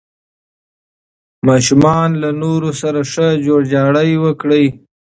ماشومان له نورو سره ښه جوړجاړی وکړي.